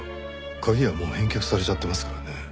鍵はもう返却されちゃってますからね。